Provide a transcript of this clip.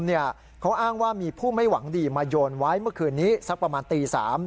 เขาอ้างว่ามีผู้ไม่หวังดีมาโยนไว้เมื่อคืนนี้สักประมาณตี๓